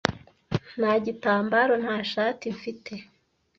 nta gitambaro nta shati mfite